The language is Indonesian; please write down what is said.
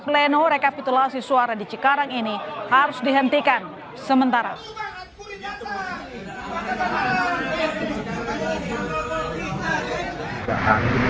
meskipun peristiwa yang tersampit jika kerucuhan yang berikutnya lain yang diputar